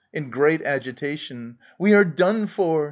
(in great agitation). We are done for